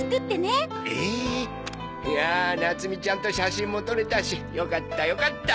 いやあなつみちゃんと写真も撮れたしよかったよかった。